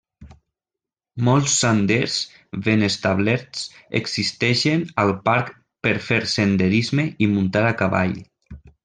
Molts senders ben establerts existeixen al parc per fer senderisme i muntar a cavall.